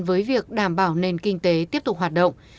với việc đảm bảo nền kinh tế tiếp tục hoạt động